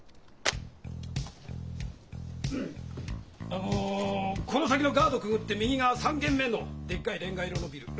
あのこの先のガードくぐって右側３軒目のでっかいレンガ色のビル。